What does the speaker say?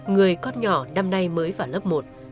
người con nhỏ năm nay mới vào lớp một